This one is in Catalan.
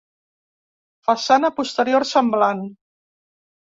Façana posterior semblant.